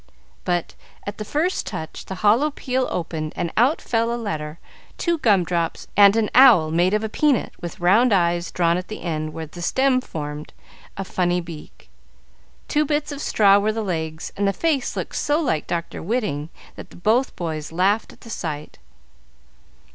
But, at the first touch, the hollow peel opened, and out fell a letter, two gum drops, and an owl made of a peanut, with round eyes drawn at the end where the stem formed a funny beak. Two bits of straw were the legs, and the face looked so like Dr. Whiting that both boys laughed at the sight.